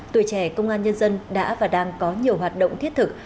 tuổi trẻ công an nhân dân đã và đang có nhiều hoạt động thiết thực